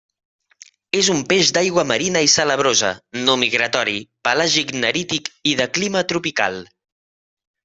És un peix d'aigua marina i salabrosa, no migratori, pelàgic-nerític i de clima tropical.